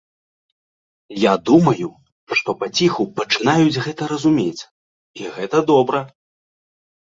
Я думаю, што паціху пачынаюць гэта разумець, і гэта добра.